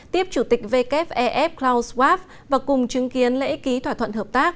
tiếp chủ tịch wfef klaus schwab và cùng chứng kiến lễ ký thỏa thuận hợp tác